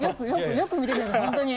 よく見てください本当に。